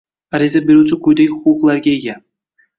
Ariza beruvchi quyidagi huquqlarga ega: